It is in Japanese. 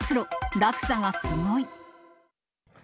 落差がすごい。